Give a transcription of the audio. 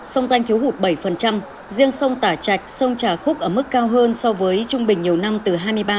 sông danh thiếu hụt bảy riêng sông tả chạch sông trà khúc ở mức cao hơn so với trung bình nhiều năm từ hai mươi ba một trăm tám mươi